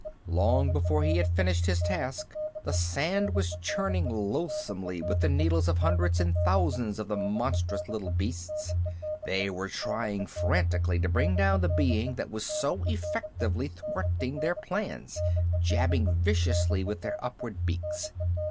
Long before he had finished his task, the sand was churning loathsomely with the needles of hundreds and thousands of the monstrous little beasts. They were trying frantically to bring down the being that was so effectively thwarting their plans, jabbing viciously with their upthrust beaks.